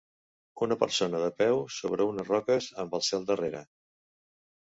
Una persona de peu sobre unes roques amb el cel darrere.